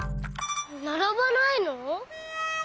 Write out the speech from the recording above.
ならばないの？